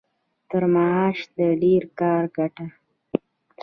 تر معاش د ډېر کار ګټه.